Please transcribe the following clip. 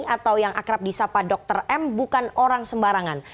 atau yang akrab di sapa dokter m bukan orang sembarangan